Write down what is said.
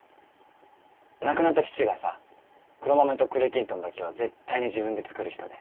亡くなった父がさ黒豆と栗きんとんだけは絶対に自分で作る人で。